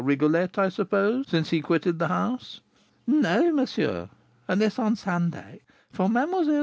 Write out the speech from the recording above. Rigolette, I suppose, since he quitted the house?" "No, monsieur; unless on Sunday, for Mlle.